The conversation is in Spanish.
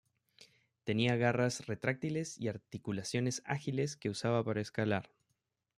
Tenía garras retráctiles y articulaciones ágiles que usaba para escalar.